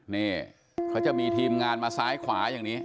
นี่เขาจะมีทีมงานมาซ้ายขวาอย่างนี้